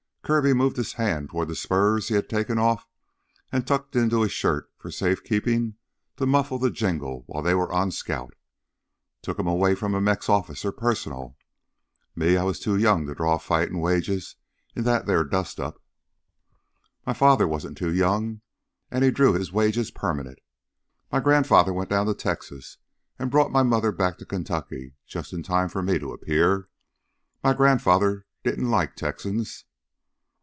Kirby moved his hand toward the spurs he had taken off and tucked into his shirt for safekeeping to muffle the jingle while they were on scout. "Took 'em away from a Mex officer, personal. Me, I was too young to draw fightin' wages in that theah dust up." "My father wasn't too young, and he drew his wages permanent. My grandfather went down to Texas and brought my mother back to Kentucky just in time for me to appear. My grandfather didn't like Texans."